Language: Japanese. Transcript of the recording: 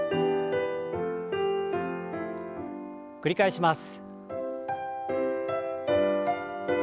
繰り返します。